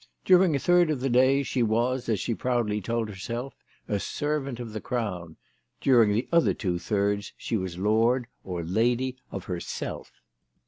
Dur ing a third of the day she was, as she proudly told herself, a servant of the Crown. During the other two thirds she was lord, or lady, of herself.